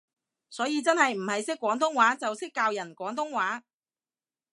所以真係唔係識廣東話就識教人廣東話